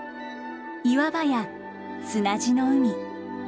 岩場や砂地の海。